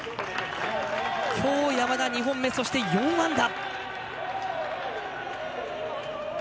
きょう山田２本目そして４安打。